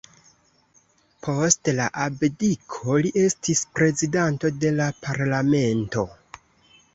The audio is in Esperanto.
Post la abdiko li estis prezidanto de la parlamento.